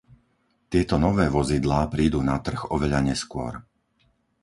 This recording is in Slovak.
Tieto nové vozidlá prídu na trh oveľa neskôr.